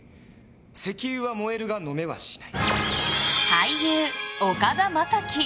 俳優・岡田将生。